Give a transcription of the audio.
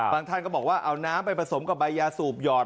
ท่านก็บอกว่าเอาน้ำไปผสมกับใบยาสูบหยอด